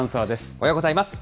おはようございます。